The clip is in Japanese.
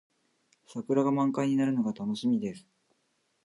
桜が満開になるのが楽しみです。